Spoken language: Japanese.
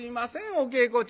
お稽古中。